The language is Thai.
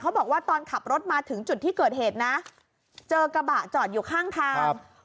บอกว่าตอนขับรถมาถึงจุดที่เกิดเหตุนะเจอกระบะจอดอยู่ข้างทาง